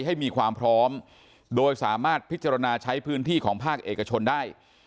ให้มีความพร้อมโดยสามารถพิจารณาใช้พื้นที่ของภาคเอกชนได้